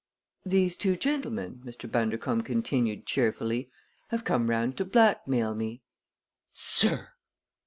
"These two gentlemen," Mr. Bundercombe continued cheerfully, "have come round to blackmail me." "Sir!"